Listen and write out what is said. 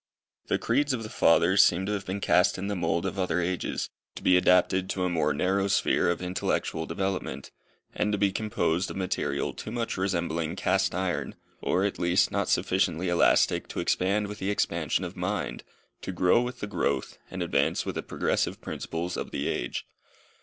The creeds of the Fathers seem to have been cast in the mould of other ages, to be adapted to a more narrow sphere of intellectual development, and to be composed of material too much resembling cast iron; or, at least, not sufficiently elastic to expand with the expansion of mind, to grow with the growth, and advance with the progressive principles of the age.